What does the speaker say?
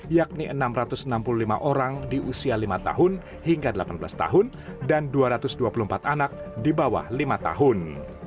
yakni enam ratus enam puluh lima orang di usia lima tahun hingga delapan belas tahun dan dua ratus dua puluh empat anak di bawah lima tahun